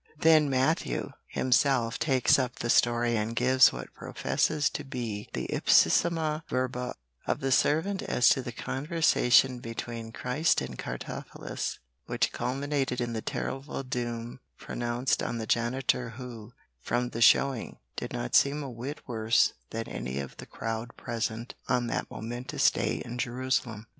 Then Matthew himself takes up the story and gives what professes to be the ipsissima verba of the servant as to the conversation between Christ and Cartaphilus which culminated in the terrible doom pronounced on the janitor who, from the showing, did not seem a whit worse than any of the crowd present on that momentous day in Jerusalem.